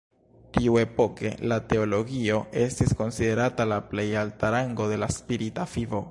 Tiuepoke, la teologio estis konsiderata la plej alta rango de la spirita vivo.